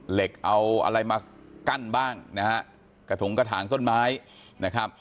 เหล็กเอาอะไรมากั้นบ้างนะฮะกระถงกระถางต้นไม้นะครับ